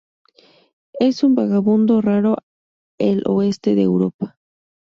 Es un vagabundo raro el oeste de Europa.